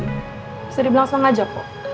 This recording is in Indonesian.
bisa dibilang seneng aja kok